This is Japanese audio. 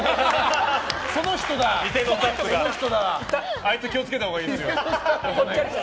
あいつ気を付けたほうがいいですよ。